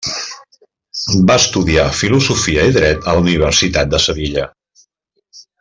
Va estudiar Filosofia i Dret a la Universitat de Sevilla.